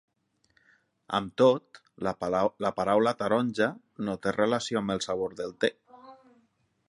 Amb tot, la paraula "taronja" no té relació amb el sabor del te.